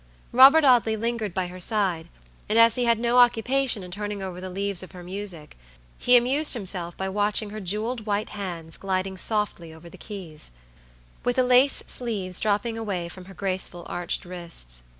Robert Audley lingered by her side, and as he had no occupation in turning over the leaves of her music, he amused himself by watching her jeweled, white hands gliding softly over the keys, with the lace sleeves dropping away from, her graceful, arched wrists.